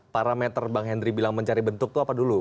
parameter bang henry bilang mencari bentuk itu apa dulu